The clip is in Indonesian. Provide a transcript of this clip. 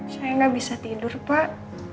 saya nggak bisa tidur pak